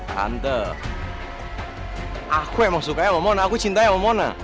tante aku yang mau sukanya sama mona aku cintanya sama mona